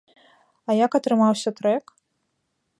А як атрымаўся трэк?